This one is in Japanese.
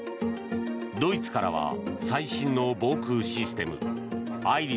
ドイツからは最新の防空システム